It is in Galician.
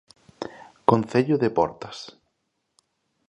Concello de Portas.